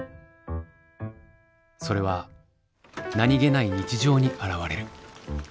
それは何気ない日常にあらわれる。